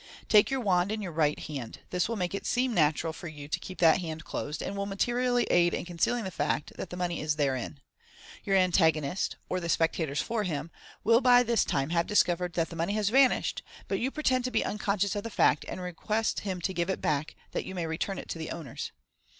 Take your wand in your right hand j this will make it seem natural for you to keep that hand closed, and will materially aid in concealing the fact that the money is therein. Your an tagonist, or the spectators for him, will by this time have discovered that the money has vanished ; but you pretend to be unconscious of the fact, and request him to give it back, that you may return it to the owners.